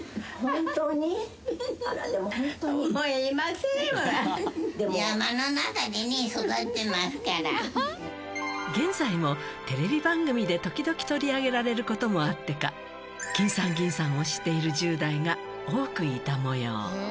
さらに現在もテレビ番組で時々取り上げられる事もあってかきんさんぎんさんを知っている１０代が多くいた模様。